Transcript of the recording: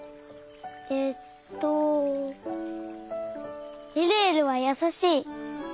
えっとえるえるはやさしい。